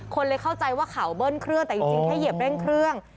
คนเลยเข้าใจว่าเขาเบิ้ลเครื่องแต่จริงถ้าเหยียบเร่งเครื่อง